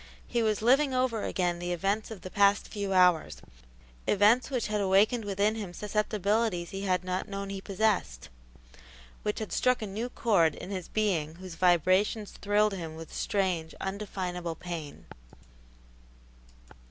He was living over again the events of the past few hours events which had awakened within him susceptibilities he had not known he possessed, which had struck a new chord in his being whose vibrations thrilled him with strange, undefinable pain.